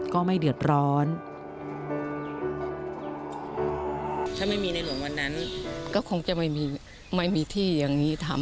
ก็ไม่เดือดร้อน